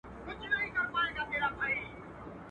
پر ښځه باندي زورورو نارینوو ناوړه